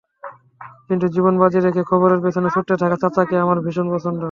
কিন্তু জীবন বাজি রেখে খবরের পেছনে ছুটতে থাকা চাচাকে আমার ভীষণ পছন্দ।